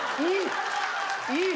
いい。